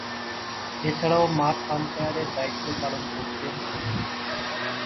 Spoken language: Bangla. এছাড়াও মাঠে আম্পায়ারের দায়িত্ব পালন করতেন তিনি।